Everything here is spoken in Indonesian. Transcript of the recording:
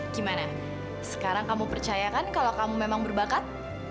gimana sekarang kamu percayakan kalau kamu memang berbakat